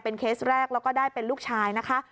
เคสแรกแล้วก็ได้เป็นลูกชายนะคะ